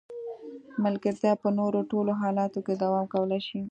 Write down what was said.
ملګرتیا په نورو ټولو حالتونو کې دوام کولای شي.